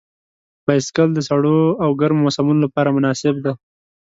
بایسکل د سړو او ګرمو موسمونو لپاره مناسب دی.